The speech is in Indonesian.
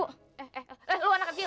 eh eh eh lu anak kecil